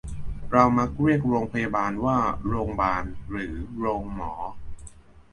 เรามักเรียกโรงพยาบาลว่าโรงบาล หรือโรงหมอ